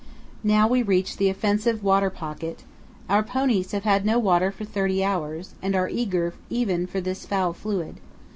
Now we reach the offensive water pocket; our ponies have had no water for thirty hours, and are eager even for this foul fluid.